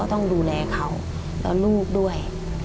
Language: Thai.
โอ๊ยโอ๊ย